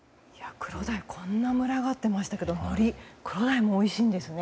クロダイこんなに群がっていますがのり、クロダイにとってもおいしいんですね。